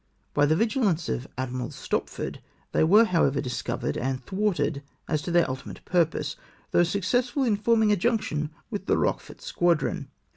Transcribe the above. By the vigilance of Admiral Stopford they were, however, dis covered and thwarted as to their ultimate purpose, though successful in forming a junction with the Eochefort squadi"on.